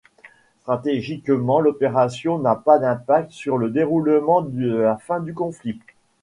Stratégiquement, l'opération n'a pas d'impact sur le déroulement de la fin du conflit.